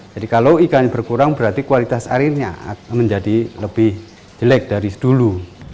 jadi kalau ikan berkurang berarti kualitas airnya menjadi lebih jelek dari dulu